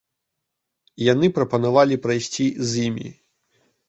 Яны прапанавалі прайсці з імі.